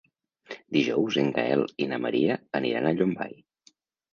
Dijous en Gaël i na Maria aniran a Llombai.